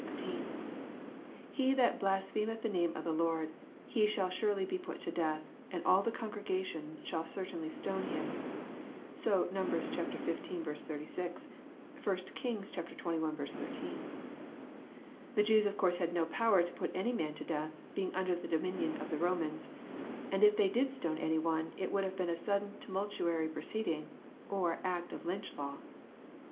He that blasphem eth the name of the Lord, he shall surely be put to death, and all the congregation shall certainly stone him." (So Num. xv. 86 ; 1 Kings xxi. 13.) The Jews of course had no power to put any man to death, being under the dominion of the Romans, and if they did stone any one it would have been a sudden tumultuary proceeding, or act of Lync h law.